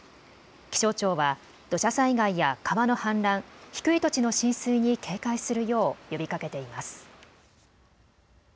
気象庁は土砂災害や川の氾濫、低い土地の浸水に警戒するよう呼びかけています。